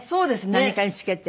何かにつけて。